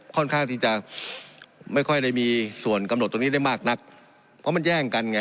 ค่อนข้างที่จะไม่ค่อยได้มีส่วนกำหนดตรงนี้ได้มากนักเพราะมันแย่งกันไง